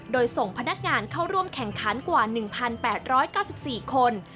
โดยส่งพนักงานเข้าร่วมแข่งขันกว่า๑๘๙๔คน